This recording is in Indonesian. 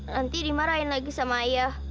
nanti dimarahin lagi sama ayah